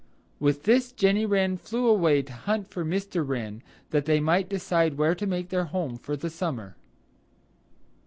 With this, Jenny Wren flew away to hunt for Mr. Wren that they might decide where to make their home for the summer.